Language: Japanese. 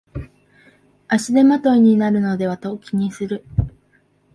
足手まといになるのではと気にする